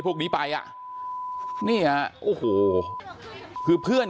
ต้องมาป้องเพื่อนมาปกป้องเพื่อน